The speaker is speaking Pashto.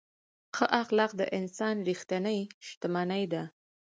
ښه اخلاق د انسان ریښتینې شتمني ده.